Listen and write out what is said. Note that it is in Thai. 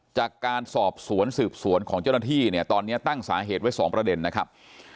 จากการสอบสวนสืบสวนของเจ้าหน้าที่เนี่ยตอนนี้ตั้งสาเหตุไว้๒ประเด็นนะครับ